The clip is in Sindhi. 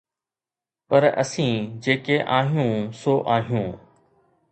پر اسين جيڪي آهيون سو آهيون.